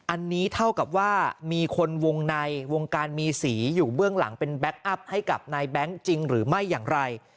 อันนี้เท่ากับว่ามีคนวงในวงการมีสีอยู่เบื้องหลังเป็นแก๊คอัพให้กับนายแบงค์จริงหรือไม่อย่างไร